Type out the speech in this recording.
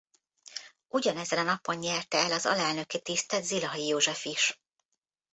Ugyanezen a napon nyerte el az alelnöki tisztet Zilahi József is.